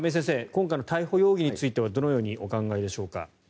今回の逮捕容疑についてはどのようにお考えでしょうか？